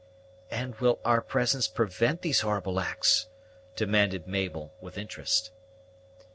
"And will our presence prevent these horrible acts?" demanded Mabel, with interest.